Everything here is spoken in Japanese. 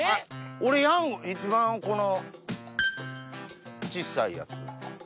俺一番この小っさいやつ。